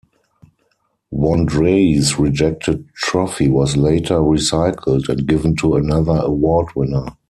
Wandrei's rejected trophy was later recycled and given to another award winner.